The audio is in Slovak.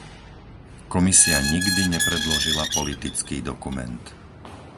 Komisia nikdy nepredložila politický dokument.